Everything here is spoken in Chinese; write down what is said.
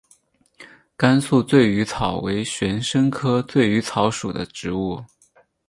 甘肃醉鱼草为玄参科醉鱼草属的植物。